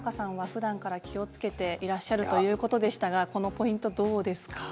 ふだんから気をつけていらっしゃるということでしたがこのポイント、いかがですか。